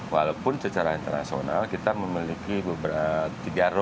walaupun secara internasional kita memiliki beberapa peraturan yang berbeda